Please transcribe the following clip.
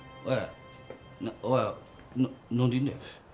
おい！